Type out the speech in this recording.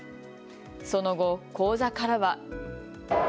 その後、口座からは。